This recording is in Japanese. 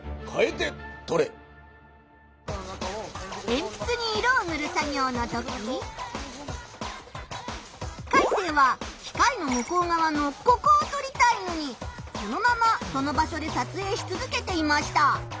えんぴつに色をぬる作業のときカイセイは機械の向こうがわのここを撮りたいのにそのままその場所で撮影しつづけていました。